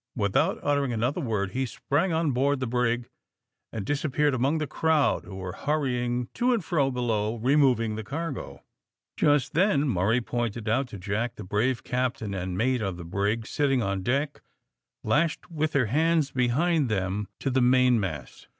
Without uttering another word he sprang on board the brig, and disappeared among the crowd who were hurrying to and fro below, removing the cargo. Just then Murray pointed out to Jack the brave captain and mate of the brig sitting on deck, lashed with their hands behind them to the mainmast.